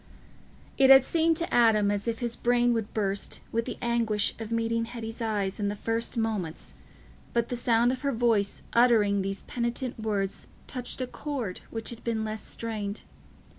It had seemed to Adam as if his brain would burst with the anguish of meeting Hetty's eyes in the first moments, but the sound of her voice uttering these penitent words touched a chord which had been less strained.